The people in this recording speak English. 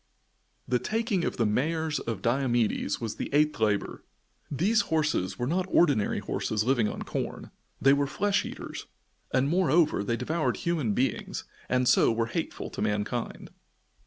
The taking of the mares of Diomedes was the eighth labor. These horses were not ordinary horses, living on corn. They were flesh eaters, and moreover, they devoured human beings, and so were hateful to mankind.